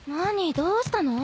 どうしたの？